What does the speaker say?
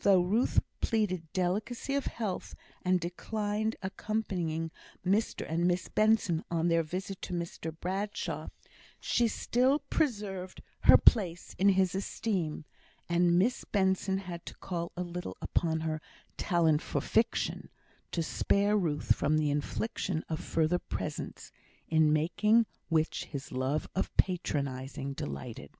Though Ruth pleaded delicacy of health, and declined accompanying Mr and Miss Benson on their visit to Mr Bradshaw, she still preserved her place in his esteem; and Miss Benson had to call a little upon her "talent for fiction" to spare Ruth from the infliction of further presents, in making which his love of patronising delighted.